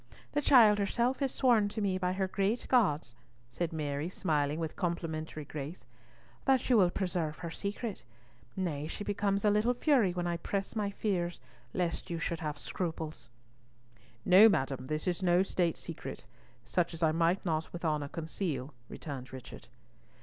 The child herself has sworn to me by her great gods," said Mary, smiling with complimentary grace, "that you will preserve her secret—nay, she becomes a little fury when I express my fears lest you should have scruples." "No, madam, this is no state secret; such as I might not with honour conceal," returned Richard.